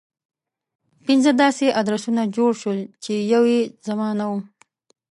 پنځه داسې ادرسونه جوړ شول چې يو يې زما نه و.